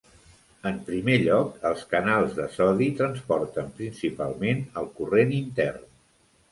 En primer lloc, els canals de sodi transporten principalment el corrent intern.